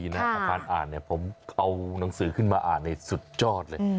กูนี้นะฮลายอ่านเนี่ยผมเอานังสือขึ้นมาอ่านดีสุดจอดเลย